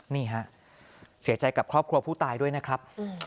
นี่ฮะเสียใจกับครอบครัวผู้ตายด้วยนะครับ